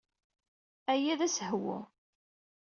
Aya d asehwu.